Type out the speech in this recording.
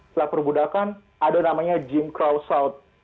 setelah perbudakan ada namanya jim crow south